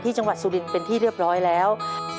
จังหวัดสุรินเป็นที่เรียบร้อยแล้ว